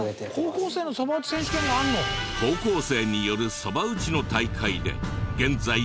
高校生によるそば打ちの大会で現在４連覇中。